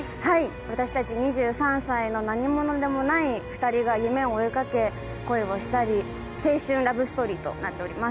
私たち２３歳の何者でもない２人が夢を追いかけ、恋をしたり、青春ラブストーリーとなっております。